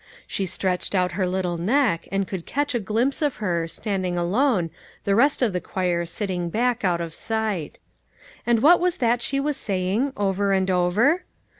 She stretched out her little neck, and could catch a glimpse of her, standing alone, the rest of the choir sitting back, out of sight. And what was that she was saying, over and over